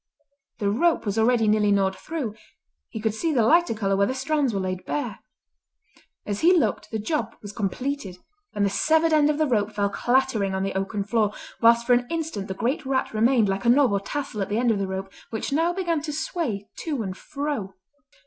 The rope was already nearly gnawed through—he could see the lighter colour where the strands were laid bare. As he looked the job was completed, and the severed end of the rope fell clattering on the oaken floor, whilst for an instant the great rat remained like a knob or tassel at the end of the rope, which now began to sway to and fro.